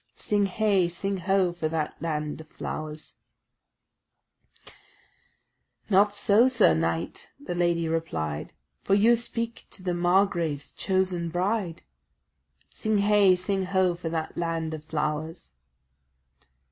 Sing heigh, sing ho, for that land of flowers' "Not so, sir knight," the lady replied, "For you speak to the margrave's chosen bride." Sing heigh, sing ho, for that land of flowers!